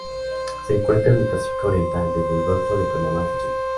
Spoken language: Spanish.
Se encuentra en el Pacífico oriental: desde el Golfo de Panamá hasta Chile.